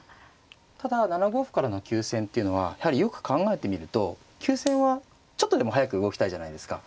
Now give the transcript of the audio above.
ただ７五歩からの急戦っていうのはやはりよく考えてみると急戦はちょっとでも早く動きたいじゃないですか。